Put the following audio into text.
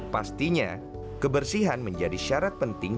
pastinya kebersihan menjadi syarat penting